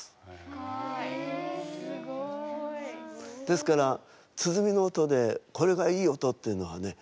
ですから鼓の音でこれがいい音っていうのはね